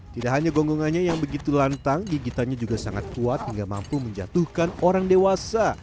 tidak hanya gonggongannya yang begitu lantang gigitannya juga sangat kuat hingga mampu menjatuhkan orang dewasa